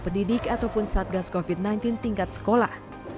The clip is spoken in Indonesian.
pendidik ataupun satgas covid sembilan belas tingkat sekolah